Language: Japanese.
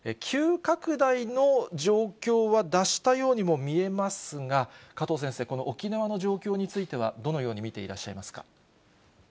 急拡大の状況は脱したようにも見えますが、加藤先生、この沖縄の状況については、どのように見ていらっしゃいますか。